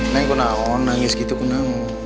neng aku tau nangis gitu aku tau